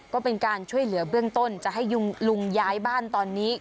ก็เป็นการช่วยเหลือเบื้องต้นจะให้ลุงย้ายบ้านตอนนี้